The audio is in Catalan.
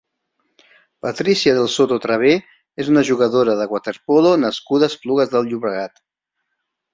Patricia del Soto Traver és una jugadora de waterpolo nascuda a Esplugues de Llobregat.